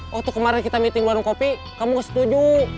waktu kemarin kita meeting warung kopi kamu setuju